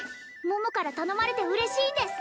桃から頼まれて嬉しいんです